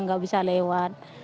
tidak bisa lewat